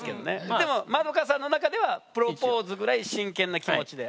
でも円さんの中ではプロポーズぐらい真剣な気持ちで。